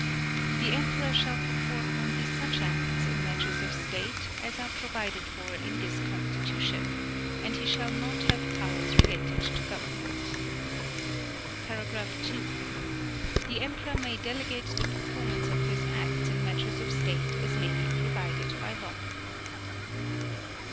The Emperor shall perform only such acts in matters of state as are provided for in this Constitution and he shall not have powers related to government (2) The Emperor may delegate the performance of his acts in matters of state as may be provided by law.